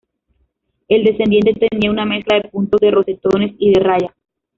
El descendiente tenía una mezcla de puntos, de rosetones y de rayas.